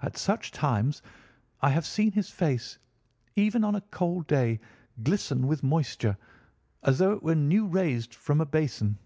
At such times I have seen his face, even on a cold day, glisten with moisture, as though it were new raised from a basin.